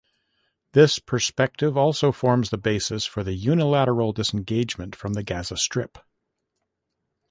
This perspective also forms the basis for the unilateral disengagement from the Gaza Strip.